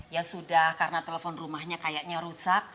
ya sudah karena telepon rumahnya kayaknya rusak